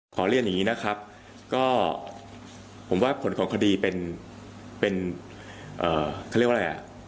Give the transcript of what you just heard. ขอเรียนอย่างนี้นะครับก็ผมว่าผลของคดีเป็นเขาเรียกว่าอะไรอ่ะ